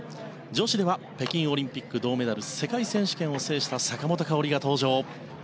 女子では北京オリンピック銅メダル世界選手権を制した坂本花織が登場。